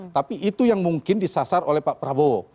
tapi itu yang mungkin disasar oleh pak prabowo